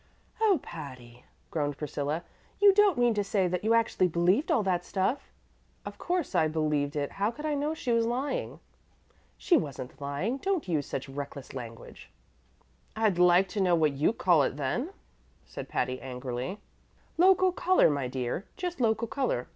"Oh, Patty," groaned Priscilla, "you don't mean to say that you actually believed all that stuff?" "Of course I believed it. How could I know she was lying?" "She wasn't lying. Don't use such reckless language." "I'd like to know what you call it, then?" said Patty, angrily. "Local color, my dear, just local color.